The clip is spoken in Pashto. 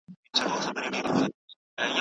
کورنۍ ستونزي به هیڅکله پخپله حل نه سي.